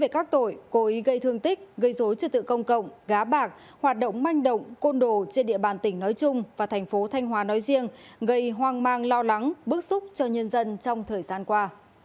gây dối trực tự công cộng gá bạc hoạt động manh động côn đồ trên địa bàn tỉnh nói chung và thành phố thanh hóa nói riêng gây hoang mang lo lắng bức xúc cho nhân dân trong thời gian qua